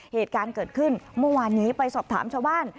เหตุการณ์เกิดขึ้นเมื่อวานนี้ไปสอบถามชาวบ้าน